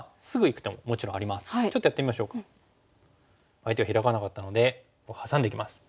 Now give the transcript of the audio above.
相手がヒラかなかったのでハサんでいきます。